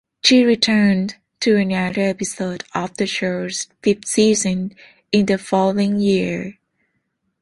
She returned to another episode of the show's fifth season in the following year.